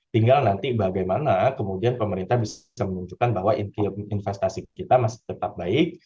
tinggal nanti bagaimana kemudian pemerintah bisa menunjukkan bahwa investasi kita masih tetap baik